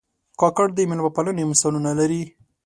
کاکړ د مېلمه پالنې مثالونه لري.